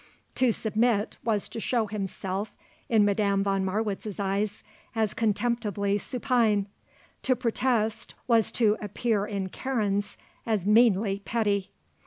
To submit was to show himself in Madame von Marwitz's eyes as contemptibly supine; to protest was to appear in Karen's as meanly petty.